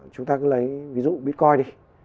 chúng ta cứ lấy ví dụ bitcoin đi